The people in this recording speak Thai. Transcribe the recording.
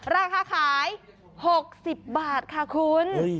ราคาขาย๖๐บาทค่ะคุณ